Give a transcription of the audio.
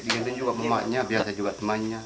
dia gendong juga emaknya biasa juga temannya